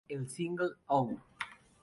El single "Oh!